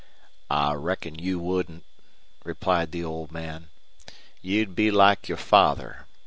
"I reckon you wouldn't," replied the old man. "You'd be like your father.